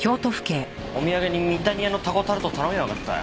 お土産に三谷屋のタコタルト頼めばよかったよ。